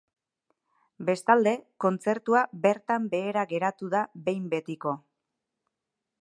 Bestalde, kontzertua bertan behera geratu da behin betiko.